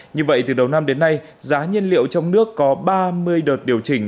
như vậy từ đầu năm đến nay giá nhiên liệu trong nước có ba mươi đợt điều chỉnh